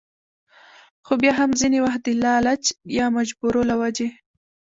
خو بيا هم ځينې وخت د لالچ يا مجبورو له وجې